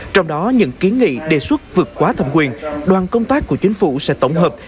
trong đó những kiến nghị đề xuất vượt quá thẩm quyền đoàn công tác của chính phủ sẽ tổng hợp